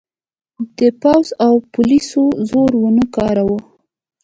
د پوځ او پولیسو زور ونه کاراوه.